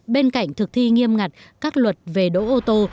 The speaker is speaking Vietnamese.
bên cạnh thực thi nghiêm ngặt các luật về đỗ ô tô